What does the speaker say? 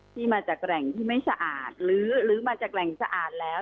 ที่มาจากแหล่งที่ไม่สะอาดหรือมาจากแหล่งสะอาดแล้ว